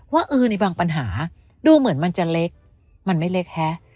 ว่าเออในบางปัญหาดูเหมือนมันจะเล็กมันไม่เล็กฮะ